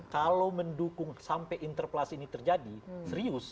kalau mendukung sampai interpelasi ini terjadi serius